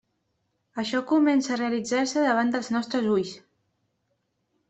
Això comença a realitzar-se davant dels nostres ulls.